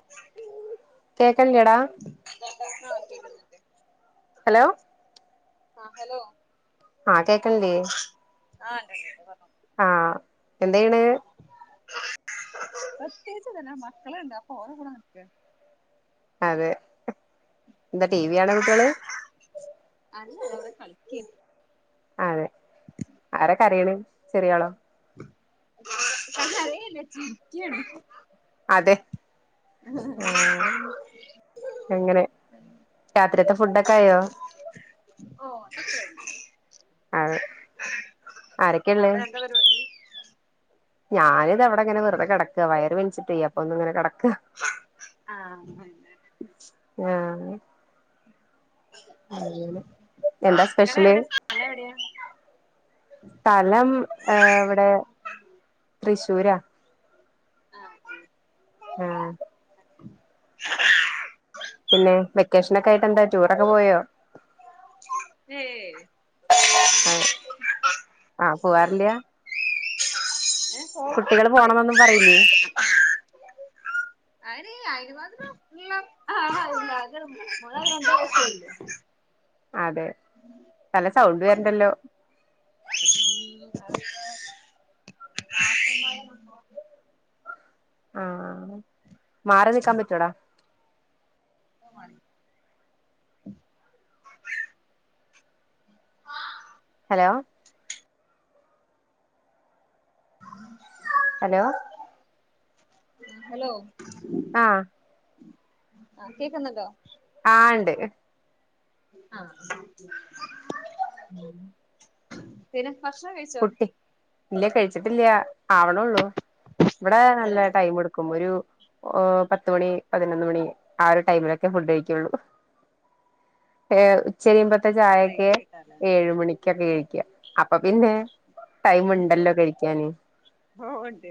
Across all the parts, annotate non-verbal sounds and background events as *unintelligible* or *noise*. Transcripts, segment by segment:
*unintelligible* Hello *unintelligible* ആ hello ആ കേക്കണില്ലേ? ആ കേക്ക് പറ ഞ്ഞോ ആ എന്തയ്ണ്? പ്രത്യേകിച്ച് ഇതന്നെ മക്കളണ്ട് അപ്പൊ ഓര കൂട നടക്ക അതെ എന്താ ടി വി കാണ കുട്ട്യാള് അല്ലല്ല വിടെകളിക്കാണ് അതെ ആര കരീണ് ചെറിയാളോ? കരയല്ല ചിരിക്കാണ് അതെ ആ അങ്ങനെ രാത്രിയത്തെ ഫുഡൊക്കെ ആയോ? ഓ അതക്കായി അതെ ആരൊക്കെയള്ളേ അവിടെ എന്താ പരി ഞാനിത വിടെ അങ്ങനെ വെറുതെകടക്ക വയർ വേൻച്ചിട്ട് യ്യ അപ്പൊ ഒന്ന് ഇങ്ങനെ കടക്ക. ആ ആ അങ്ങനെഎന്താ നിങ്ങളെ സ്പെഷ്യല്? എവിടെ സ്ഥലം എവിടെയാ സ്ഥലം ഏ ഇവിടെ തൃശ്ശൂരാ. ആ ആ പിന്നെ വെക്കേഷനൊക്കെ ആയിട്ട് എന്താ ടൂറൊക്കെ പോയോ? ഏയ് ആ ആ പോവാറില? ഏഹ് കുട്ടികള് പോവാറ്ണ്ട് പോണന്നൊന്നും പറയില്ലേ അ അയിന് അയിന് മാത്രം ഇള്ളെ ആഹ് *inaudible* അതെ നല്ല സൗണ്ട് വര്ണ്ടല്ലോ ഉം അത് പിന്നെ നാത്തൂമാരെ *unintelligible* ആഹ് മാറി നിക്കാൻ പറ്റോടാ? ഓഹ് മാറി ഹലോ ഹലോ ഹലോ ആഹ് ആഹ് കേക്ക്ന്ന്ണ്ടോ? ആഹ് ഇണ്ട് ആഹ് *unintelligible* പിന്നെ ഭക്ഷണം കഴി കുട്ടി ഇല്ല കഴിച്ചിട്ടില്ല്യാ ആവണോള്ളു ഇവടെ നല്ല ഏഹ് ടൈമെടുക്കും ഒരു ഓഹ് പത്തുമണി പതിനൊന്ന് മണി ആ ഒരു ടൈമിലൊക്കെ ഫുഡ് കഴിക്കോള്ളു ഏഹ് ഉച്ചരിയുമ്പത്തെ ചായെക്കെ ലേറ്റ് ആയിട്ടാല്ലേ ഏഴുമണിക്കൊക്കെ കഴിക്ക അപ്പ പിന്നെ ടൈമ്ണ്ടല്ലോ കഴിക്കാന് ഓ ഉണ്ട്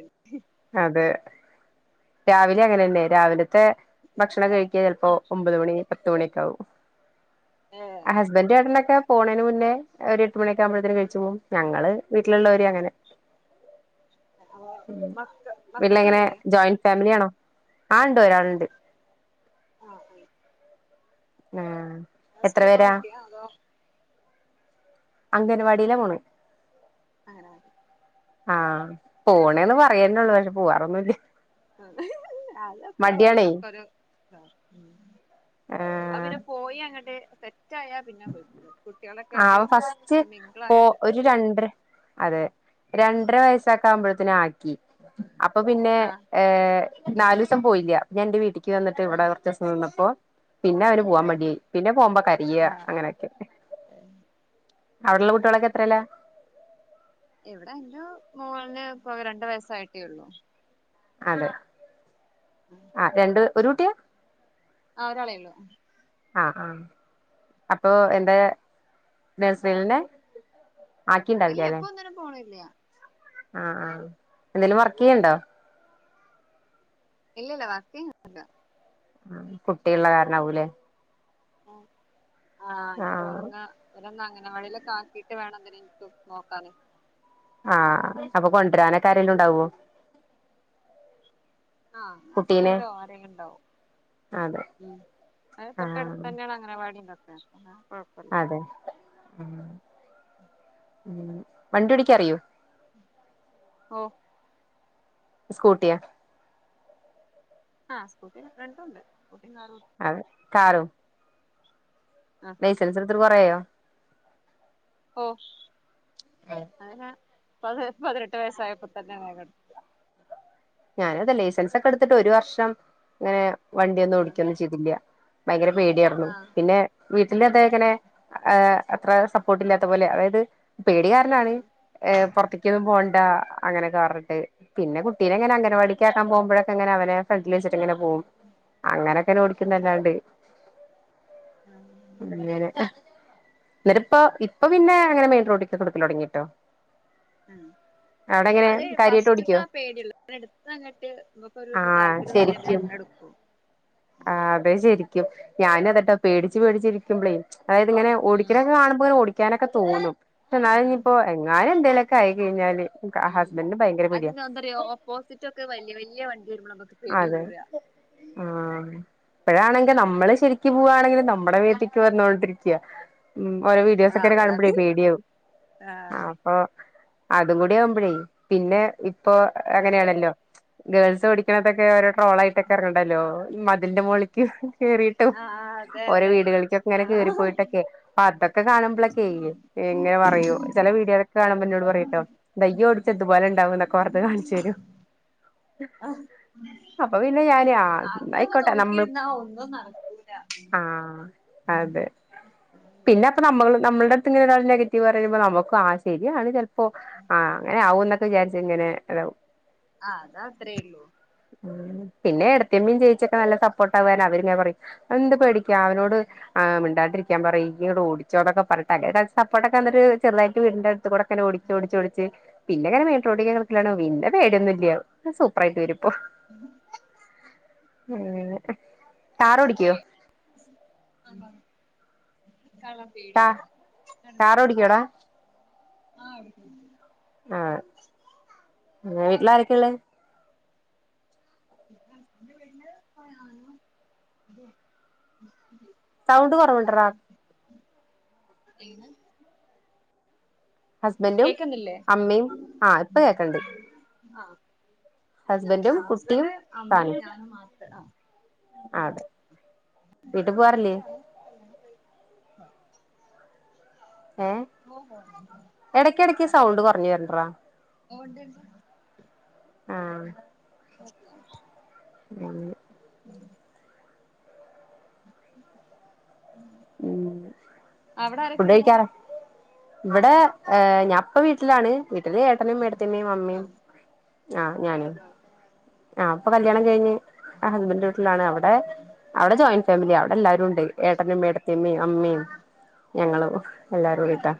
അതെ രാവിലെ അങ്ങനെന്നെ രാവിലത്തെ ഭക്ഷണം കഴിക്ക ചെലപ്പോ ഒമ്പത് മണി പത്ത് മണിക്കാവും ഏഹ് ഹസ് ബന്റാട്ന്നൊക്ക പോണേന് മുന്നെ ഒരു എട്ട് മണിയൊക്ക്യെ ആവുമ്പത്തേനും കഴിച്ച് പോവും ഞങ്ങള് വീട്ടിലുള്ളവര് അങ്ങനെ അപ്പൊ ഉം മക്ക പിന്നെ എങ്ങനെ മക്കളില്ലേ ജോയിന് ഫാമിലിയാണോ ആഹ് ഇണ്ട് ഒരാള്ണ്ട് ആഹ് ആഹ് ആഹ് ആഹ് സ്കൂള് പോണെ കുട്ടിയാ അതോ അംഗൻവാടിയിലാ പോണെ അങ്ങനെ മതി ആഹ് പോണന്ന് പറയ്യന്നേള്ളു പക്ഷേ പോവാറൊന്നുല്ല അതെ അല്ലക്കോ മടിയാണേ ഇതൊക്കൊരോ ആഹ് ഉം അഹ് ആ പിന്നെ പോയി അങ്ങട്ട് സെറ്റായാ പിന്നെ പോയിക്കോളും ആ കുട്ട്യാളൊക്കായിട്ട് അവ ഫസ്റ്റ് അങ്ങനെ പോ മിങ്കിളായ സെറ്റാവും *unintelligible* അതെ രണ്ടര വയസാക്കാവുമ്പോത്തിനും ആക്കി അപ്പ പിന്നെ ആഹ് ഏഹ് നാലൂസം പോയില്ല്യാ ഞാൻ ഇന്റെ വീട്ടിക്ക് വന്നിട്ട് ഇവടെ ആഹ് കൊറച്ചോസം നിന്നപ്പോ പിന്നെ അവന് പോവാൻ ആഹ് മടിയായി പിന്നെ പോവുമ്പോ കര്യ്യാ ആഹ് അങ്ങനെക്കെ അവടുള്ള കുട്ട്യളൊക്കെ എത്രേല്ലാ ഇവടെ ഇന്റെ മോള്ന് ഇപ്പോ ആകെ രണ്ട് വയസ്സായിട്ടേള്ളു അതെ ഉം ആഹ് രണ്ട് ഒരു കുട്ടിയാ ആ ഒരാളെയുളളു ആഹ് ആ അപ്പൊ എന്താ നേഴ്സറിലന്നെ ഇല്ല ഇപ്പൊ ഒന്നിനും പോണില്ല ആഹ് ആ എന്തേലും വർക്കെയ്യ്ണ്ടോ ഇല്ലില്ല വർക്കി ല്ല കുട്ടികള്ള കാരണാവൂല്ലേ ആ ആഹ് ആ നീ പോണങ്ങ ഓരൊന്ന് അങ്കണവാടീലൊക്കാക്കീട്ട് വേണം ഒന്നിനെ എനിക്ക് നോക്കാതെ ആഹ് അപ്പൊ കൊണ്ടരാനൊക്കെ ആരേലും ഉണ്ടാവോ ആഹ് കുട്ടീനെ ഹസ്ബൻഡോ ആരേലിണ്ടാവും അതെ ഉം അയിന് ആഹ് തൊട്ടടുത്തന്നാണ് അംഗവാടി ഇതൊക്കെ കൊഴപ്പല്ല അതെ ഉം ഉ ഉം വണ്ടി ഒടിക്കാറിയോ ഒ സ്കൂട്ടിയാ ആഹ് സ്കൂട്ടീം രണ്ടുണ്ട് സ്കൂട്ടീം കാറും അതെ കാറും ആഹ് ലൈസൻസ് എടുത്തിട്ട് കൊറേ ആയോ ഒ ആഹ് അതിനാ പതി പതിനെട്ട് വയസ്സായപ്പോ തന്നെ വേഗെടു ഞാനും അതലേ ലൈസൻസൊക്കെടുത്തിട്ട് ഒരു വർഷം ങ്ങേ വണ്ടി ഒന്നും ആഹ് ഓടിക്കൊന്നു ചെയ്തില്ല ഭയങ്കര പേടിയാറന്നു ആഹ് പിന്നെ വീട്ടിലതേ ആഹ് എങ്ങനെ ആ അത്ര സപ്പോർട്ടില്ലാത്ത പോലെ അതായിത് പേടി കാ ണ്ടാണ് അ പൊറത്തേക്കൊന്നും ആഹ് പോണ്ട അങ്ങനൊക്കെ പറഞ്ഞിട്ട് പിന്നെ കുട്ടീനെ ഞാൻ അങ്കനവാടിക്കാക്കാൻ പോവുംമ്പഴക്കങ്ങന അവര ഫ്രണ്ടില് വെച്ചിട്ടിങ്ങനെ പോവും അങ്ങനൊക്കെന ഓടിക്കുന്നല്ലാണ്ട് ആഹ് അങ്ങനെ എന്നിരുപ്പോ ഇപ്പ പിന്നേ അങ്ങനെ മെയിൻ റോഡികൊക്കെ എടുക്കലൊടങ്ങീട്ടോ ഉം അതേ കാര്യായിട്ട് ഫസ്റ്റ്ത്തെ ഓടിക്കോ ആ പേടിയൊള്ളൂ പിന്നെ എടുത്താ അങ്ങിട്ട് നമുക്കൊരു ആഹ് താല്പര്യം തോന്നൃ ശരിക്കും പിന്നങ്ങനെ എടുക്കൂം ഉം പേടിച്ചിരിക്കും ഞാനെന്നിട്ട് ഉം പേടിച്ച് പേടിച്ച് ഇരിക്കുംമ്പളേ അതായിത് ഇങ്ങനെ ഉം ഓടിക്കണ കാണുംമ്പോ ഓടി ക്കാനൊക്കെ തോന്നും ആഹ് എന്നാലിനിപ്പൊ എങ്ങാനെന്തേലൊക്കായി കഴിഞ്ഞാല് ഹ ഹസ്ബന്റിന് ഭയങ്കര പേടിയ തെ ഓപ്പോസിറ്റൊക്ക വലൃ വലൃ വണ്ടി വെരുംമ്പള നമക്ക് അതെ ആ ഇപ്പഴാണെങ്കി നമ്മള് ശെരിക്ക് പൂവാണെങ്കില് നമ്മടെ മേത്ത് ക്കൂവർന്നോണ്ടിരിക്കാ ഓരോ ആഹ് വീഡിയോസൊക്കരെ കാണുംമ്പഴേ അതാണ് പേടിയാവും ആഹ് ഓ അതും കുടി ആവുംമ്പഴേ പിന്നെ ഇപ്പൊ ആഹ് അങ്ങനാണല്ലോ ഗേൾസ് പഠിക്കണത്തൊക്കെ ഓരോ ട്രോളായി ട്ടിക്കറുണ്ടല്ലോ മതിൽന്റെ മോളിക്ക് കേറീട്ടും ആഹ് ആഹ് അതെ ഓരോ അതെ വീടുകളീക്കൊക്കെ ഇങ്ങനെ ആഹ് കേറിപ്പോയിട്ടൊക്കെ പാട്ടൊക്കെ കാണുംമ്പളൊക്കെ ഇങ്ങനെ പറയും ചെല വീഡിയോളൊക്കെ കാണുമ്പെന്നോട് പറയൂട്ടോ ദേ ഇയ്യോടിച്ചാ ഇതുപോലിണ്ടാവുന്നൊക്കെ വെർതെ കാണിച്ചെരും അപ്പൊ പിന്നെ ഞാന് ആ അങ്ങനൊക്കെ എന്നായിക്കോട്ടെ നമ്മൾക്ക് നോക്കിയിരുന്നാ ഒന്നും നടക്കൂല ആഹ് അതെ പിന്നെപ്പ നമ്മള് നമ്മള്ടെട്ത്ത്ങ്ങനൊരാൾ നെഗറ്റീവ് പറയുമ്പോ നമുക്ക് ആഹ് ശരിയാണ് ചെൽ പ്പോ ആഹ് അങ്ങനെ ആകൂന്നൊക്കെ വിചാരിച്ച് ങ്ങനെതാവും. ആഹ്, അത് അത്രേള്ളൂ. പിന്നെ എടത്ത്യമ്മീം ചേച്ചിയൊക്കെ നല്ല സപ്പോർട്ടാവാനവര്ങ്ങനെ പറിം എന്ത് പേടിക്കാ അവനോട് ആഹ് മിണ്ടാണ്ടിരി ക്കാൻ പറി ഈ യ്ണ്ടോടിച്ചോന്നൊക്കെ പറഞ്ഞിട്ട് അങ്ങനെ സപ്പോട്ടൊക്കെ തന്ന്ട്ട് ഒരു ചെറ്തായിട്ട് വീടിന്റെ ത്കൂടെക്കെന്നെ ഓടിച്ചോടിച്ചോടിച്ച് പിന്നെങ്ങനെ മെയിൻ റോട്ടീക്കൊക്കെ *unintelligible* പിന്നെ പേടിയൊന്നുല്ല്യ. സൂപ്പറായിട്ട് വെരും. ഓഹ്, അങ്ങനെ കാറോടിയ്ക്കോ? ആപറി കള കാ കാറോടിയ്ക്കോടാ? ആഹ് ഓടിക്ക്യോടിയ്ക്കും. ആഹ്, വീട്ട്ലാരൊക്കെള്ളേ? *unintelligible* ഹസ്ബൻ്റ്ൻ്റെ വീട്ല് പ ഞാനും അതെ *unintelligible* സൗണ്ട് കൊറവുണ്ട്ട്രാ *unintelligible* ങ്ങ് ഹസ്ബൻറും കേക്കുന്നില്ലേ അമ്മിം ആഹ് ഇപ്പ കേക്ക്ണ്ട്. ആഹ്, ആഹ്, ആഹ് കുട്ടിയും ഹസ്ബൻഡ് അമ്മിം ഞാനും മാത്ര ആഹ്. ആതെ, വീട്ടി പോവാറില്ല്യേ? ഹലോ? ഏഹ്, *unintelligible* എടക്കെടക്ക് സൗണ്ട് കൊറഞ്ഞു വരണുണ്ടെടാ ഓഹ് ണ്ട്‌ണ്ട് ആഹ്, നോക്കിയോ *unintelligible* ഉം. ഉം, അവിടെ ആരൊക്കെയുള്ളെ ഫുഡെഴിക്കാണ്. ഇവടെ ഏ ഞാ പ്പ വീട്ടിലാണ് വീട്ടില് ഏട്ടനും ഐട്ടത്ത്യമ്മിം അമ്മിം ആഹ് ആഹ്, ഞാനും ആഹ്, പ്പൊ കല്ല്യാണം കഴിഞ്ഞ് ആഹ് ഹസ്ബൻഡ്ൻ്റെ വീട്ടിലാണ് അവ്ടെ അവിടെ ജോയിന്റ് ഫാമിലിയാ അവ്ടെല്ലാരൂണ്ട് ഏട്ടനും മേട്ട ത്തിമ്മിം അമ്മിം ഞങ്ങളും എല്ലാരു ആഹ് *unintelligible*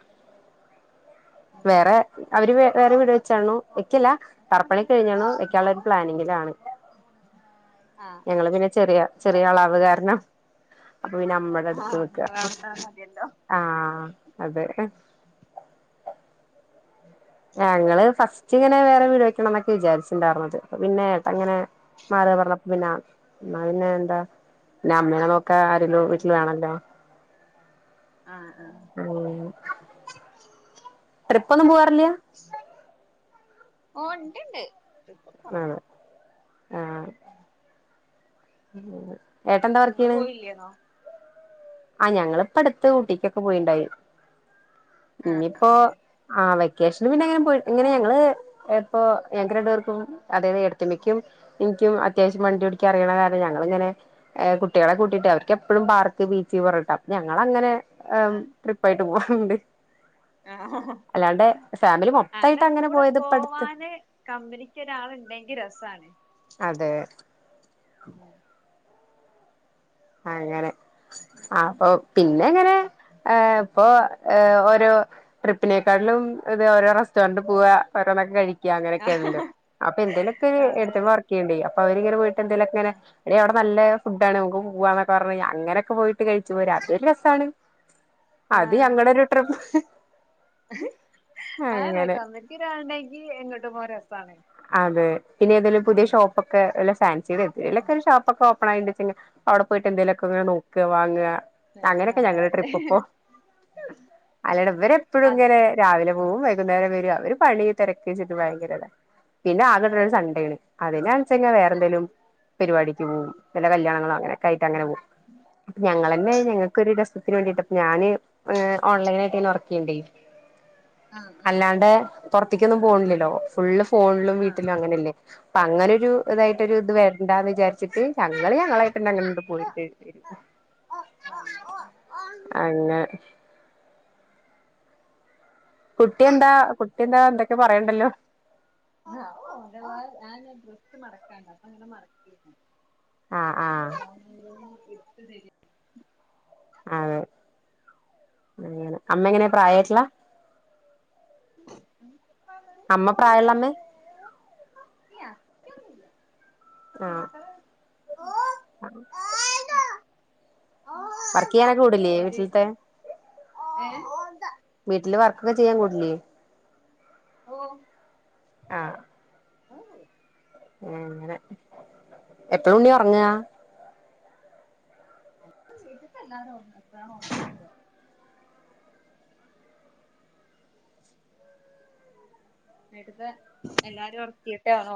വേറെ അവര് വെ വേറെ വീട് വെച്ചണു വെയ്ക്കെല്ല തറപ്പണിക്കെ കഴിഞ്ഞ്ണു പ്ലാനിങ്ങിലാണ്. ആഹ് ആഹ് ഞങ്ങള് ആഹ് പിന്നെ ചെറിയ ചെറിയ ആളാവ് കാരണം അപ്പൊ പിന്നെ നമ്മടട്ത്ത് ആഹ് നിക്ക. അവിടുത്തെ മതിയല്ലോ ആഹ്, അതെ. ഞങ്ങള് ഫസ്റ്റ് ഇങ്ങനെ വേറെ വീട് വെ ണംന്നൊക്കെ വിചാരിച്ചിണ്ടായിര്ന്നത് പ്പപിന്നെ *unintelligible* അങ്ങനെ മാറ പർഞ്ഞ പിന്നാ ന്നാപിന്നെ എന്താ ന്നാ അമ്മേനെ നോക്കാ ആരെലും വീട്ടിൽ ഉം വേണല്ലോ, ആഹ്, ആഹ്. ഏഹ്, ട്രിപ്പൊന്നും പോവാറില്ല്യ. ഓഹ്, ണ്ട്ണ്ട്, ട്രിപ്പൊക്കെ *unintelligible* ണ്ട്, ആഹ്, ഉം. അങ്ങനെ ഏട്ടെൻന്താ വർക്കിയിണ് *unintelligible* ആഹ് ഞങ്ങളിപ്പോ അടുത്ത് ഊട്ടിക്കൊക്കെ പോയിണ്ടായി ഇനിയിപ്പോ ആഹ് വെക്കേഷന് പിന്നെങ്ങനെ പോയ്‌ എങ്ങനെ ഞങ്ങള് എപ്പോ ഞങ്ങക്ക് രണ്ട് പേർക്കും അതായത് ഏടത്തിയമ്മക്കു ഇൻക്കും അത്യാ അത്യാവശ്യം വണ്ടി ഓടിക്കാൻ അറിയണ കാരണം ഞങ്ങളിങ്ങെനെ കുട്ടികളെ കൂട്ടീട്ട് അവർക്കെപ്പളും പാർക്ക് ബീ ച്ച്, പറട്ടാ ഞങ്ങളങ്ങനെ ആഹ് ട്രിപ്പായിട്ട് പോവാറുണ്ട് ആഹ് അല്ലാണ്ടെ ഫാമിലി മൊത്തായിട്ട് അങ്ങനെ കൂടെ പോയത് ഇപ്പ അടുത്ത് പോവാന് കമ്പനിക്ക് ഒരാളുണ്ടെങ്കിൽ രസാണ് അതെ ഉം അങ്ങനെ അപ്പൊ പിന്നെ ഇങ്ങനെ ആഹ് ഇപ്പോ ഓരോ ട്രിപ്പിനേക്കാട്ടിലും ഇത് ഓരോ തൊണ്ട് പോക ഒരോന്നൊക്കെ കഴിക്ക അങ്ങനെയൊക്കെയാണല്ലോ അപ്പൊ എന്തേലൊക്കെ അതെ ഏടത്തിയമ്മ വർക്കിയിണ്ടേ അപ്പ അവരിങ്ങനെ പോയിട്ട് എന്തേലും ഒക്കെ ഇങ്ങനെ ആഹ് എടീ അവിടെ നല്ല ഫുഡാണ് നമുക്ക് പോ പോവാന്നൊക്കെ പറഞ്ഞ് അങ്ങനെയൊക്കെ പോയിട്ട് കഴിച്ചു പോരാ അതൊരു രസാണ് അത് ഞങ്ങളരു *inaudible* അതാണ് കമ്മറ്റി ഒരാളുണ്ടെങ്കി എങ്ങോട്ടും പോരാൻ രസാണ് അതെ പിന്നേതെലും പുതിയ ഷോപ്പൊക്കെ വല്ല ഫാൻസിലെ എന്തേലൊക്കെ ഒരു ഷോപ്പൊക്കെ ഒപ്പ് *unintelligible* അവിടെ പോയിട്ട് എന്തേലൊക്കെ നോക്ക വാങ്ങ അതെ അങ്ങനെയൊക്കെ ആഹ് ഞങ്ങളുടെ ട്രിപ്പ് ഇപ്പൊ അല്ലടാ ഇവർ എപ്പോഴും ഇങ്ങനെ രാവിലെ പോവും വൈകുന്നേരം വരും അവര് പണി തിരക്കേച്ചിട്ട് ഭയങ്കര പിന്നെ ആകെള്ളത് ഒരു സൺണ്ടേണ് അതിനച്ചെങ്കി വേറെന്തെലും പരിപാടിക്ക് പോകും വല്ല കല്യാണങ്ങാളോ അങ്ങനെയൊക്കെ ആയ്ട്ട് അങ്ങനെ പോകും ഞങ്ങളന്നെ ഞങ്ങക്കൊരു രസത്തിന് വേണ്ടീട്ട് ഞാന് ഏ ഓൺലൈനായിട്ട കുട്ടിനെ ഒർക്ക്യേണ്ടേ ആഹ് അല്ലാണ്ട് പുറത്തേക്കൊന്നും പോണില്ലല്ലോ ഫുള്ള് ഫോണിലും ആഹ് വീട്ടിലും അങ്ങനെയല്ലേ അപ്പൊ അങ്ങനെ ഒരു ഇതായിട്ട ഒരു ഇത് വേണ്ടന്ന് വിചാരിച്ചിട്ട് ഞങ്ങള് ഞങ്ങളേട്ടന് അങ്ങണ്ട് പോയിട്ട് ആഹ് അങ്ങനെ കുട്ടിന്താ കുട്ടിന്താ എന്തൊക്കെ പറയണ്ടല്ലോ ആഹ് അത് ഓൻറ്റത്തയാ ഞാൻ ഡ്രസ്സ് മടക്കാണ്ട് അപ്പൊ അങ്ങനെ മടക്കിരുന്നു ആഹ് ആഹ് അപ്പൊ ഓന് ഓരോന്ന് ഇട്ത്ത് തരെ അത് അങ്ങനെ അമ്മ എങ്ങനെ പ്രായായ്‌ട്ട്ള്ള ഉം അമ്മ പ്രായുള്ളമ്മേ ഇല്ല അങ്ങനെ ഒന്നുല്ല *inaudible* അത് വർക്ക് ചെയ്യാനൊക്കെ വിടില്ലേ ഏത് വീട്ടിലത്തെ ആഹ് ഏ വീട്ടില് വർക്കൊക്കെ ചെയ്യാൻ കൂടിലേ ഓ ആഹ് അങ്ങനെ എപ്പളാ ഉണ്ണി ഒറങ്ങാ വീട്ടിത്തല്ലാരും ഒർങ്ങ അപ്പഴാണ് ഒർങ്ങുന്നത്. വീട്ട്ത്തെ എല്ലാരും ഒർക്കിട്ടെ ആണോ.